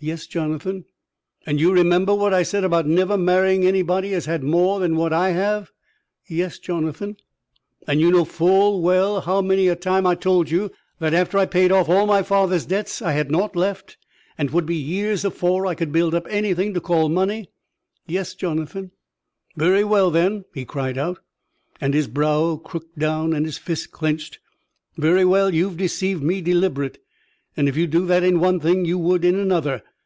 "Yes, Jonathan." "And you remember what I said about never marrying anybody as had more than what I have?" "Yes, Jonathan." "And you full know how many a time I told you that, after I paid off all my father's debts, I had nought left, and 'twould be years afore I could build up anything to call money?" "Yes, Jonathan." "Very well, then!" he cried out, and his brow crooked down and his fists clenched. "Very well, you've deceived me deliberate, and if you'd do that in one thing, you would in another.